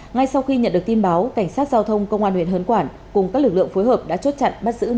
ngay sau khi nhận được tin báo cảnh sát giao thông công an huyện hớn quản cùng các lực lượng phối hợp đã chốt chặn bắt giữ